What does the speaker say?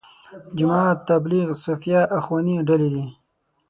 جماعت تبلیغ، صوفیه، اخواني ډلې دي.